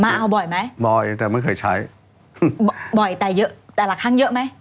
เอาบ่อยไหมบ่อยแต่ไม่เคยใช้บ่อยแต่เยอะแต่ละครั้งเยอะไหม